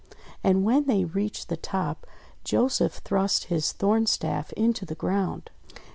And when they reached the top Joseph thrust his Thorn Staff into the ground.